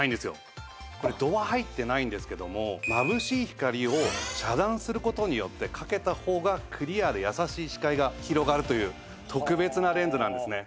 これ度は入ってないんですけどもまぶしい光を遮断する事によってかけた方がクリアで優しい視界が広がるという特別なレンズなんですね。